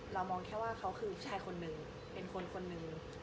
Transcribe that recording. เรามองแค่ว่าเขาคือผู้ชายคนหนึ่งเป็นคนคนหนึ่ง